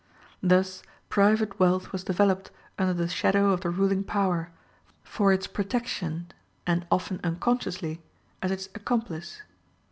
Thus private wealth was developed under the shadow of the ruling power, for its protection and often unconsciously as its accomplice.